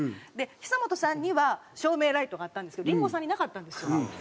久本さんには照明ライトがあったんですけどリンゴさんになかったんですよ。